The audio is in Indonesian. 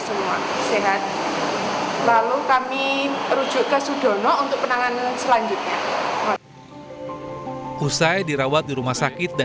senin pagi bayi perempuan bersama sang ibu akhirnya diberi ke rumah sakit